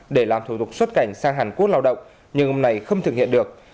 để làm thủ thuật xuất cảnh sang hàn quốc lao động nhưng ông này không thực hiện được